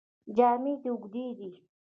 جامې دې اوږدې دي.